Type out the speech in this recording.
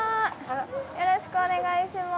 よろしくお願いします。